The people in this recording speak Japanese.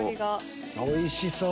おいしそう！